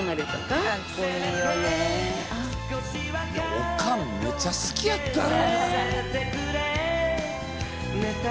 おかんめっちゃ好きやったな。